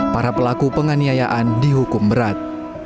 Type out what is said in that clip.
para pelaku penganiayaan dihukum berat